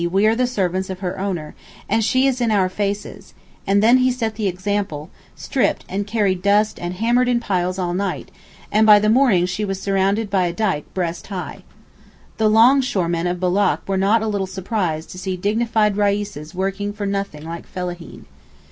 _ we are the servants of her owner) and she is in our faces;' and then he set the example, stripped and carried dust and hammered in piles all night, and by the morning she was surrounded by a dyke breast high. The 'long shore' men of Boulak were not a little surprised to see dignified Reises working for nothing like fellaheen.